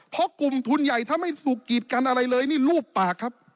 เพราะกลุ่มทุนใหญ่ถ้าไม่สุกีดกันอะไรเลยนี่รูปปากครับ